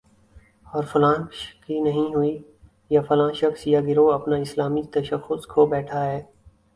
اور فلاں کی نہیں ہوئی، یا فلاں شخص یا گروہ اپنا اسلامی تشخص کھو بیٹھا ہے